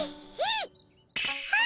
えっ？